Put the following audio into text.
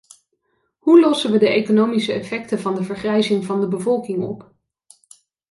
Hoe lossen we de economische effecten van de vergrijzing van de bevolking op?